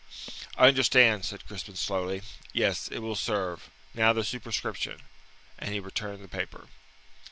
"I understand," said Crispin slowly. "Yes, it will serve. Now the superscription." And he returned the paper.